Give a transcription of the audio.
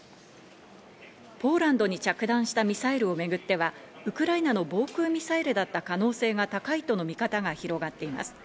ポーランドに着弾したミサイルをめぐっては、ウクライナの防空ミサイルだった可能性が高いとの見方が広がっています。